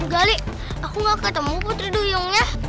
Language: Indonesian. gak li aku gak ketemu putri duyungnya